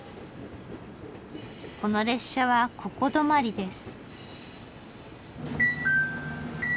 この列車はここ止まりです。